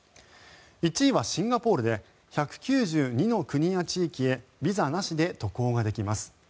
１位はシンガポールで１９２の国や地域へビザなしで渡航ができます。